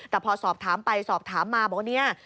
แต่พอสอบถามไปสอบถามมาบอกว่าเนี่ย